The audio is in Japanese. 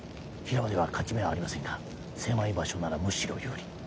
平場では勝ち目はありませんが狭い場所ならむしろ有利。